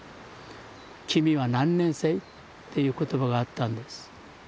「君は何年生？」っていう言葉があったんです。